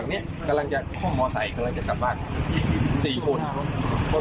คือผู้หญิงเขาถูกยิงที่หนกแก้มด้านขวา